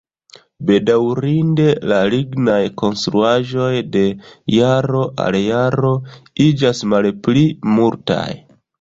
Bedaŭrinde, la lignaj konstruaĵoj de jaro al jaro iĝas malpli multaj.